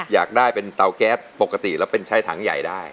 อยากได้เป็นเตาแก๊สปกติแล้วเป็นใช้ถังใหญ่ได้